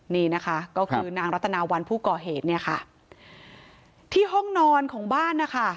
นี่นะคะก็คือนางรัตนาวันผู้ก่อเหตุเนี่ยค่ะที่ห้องนอนของบ้านนะคะ